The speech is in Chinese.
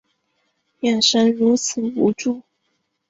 眼神如此无助